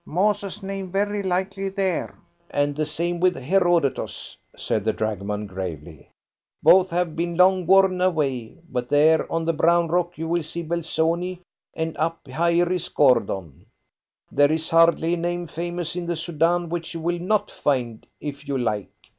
"Moses's name very likely there, and the same with Herodotus," said the dragoman gravely. "Both have been long worn away. But there on the brown rock you will see Belzoni. And up higher is Gordon. There is hardly a name famous in the Soudan which you will not find, if you like.